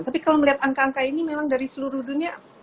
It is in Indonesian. tapi kalau melihat angka angka ini memang dari seluruh dunia